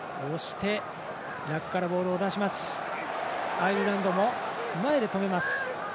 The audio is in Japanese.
アイルランドも前で止めます。